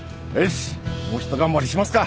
もうひと頑張りしますか